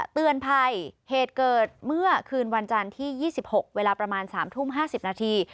เตือนภัยเหตุเกิดเมื่อคืนวันจันทร์ที่๒๖เวลาประมาณ๓ทุ่ม๕๐นาที